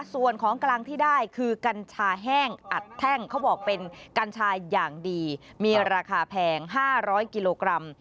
ส่วนของกลางที่ได้คือกัญชาแห้งอัดแท่งเขาบอกเป็นกัญชาอย่างดีมีราคาแพง๕๐๐กิโลกรัม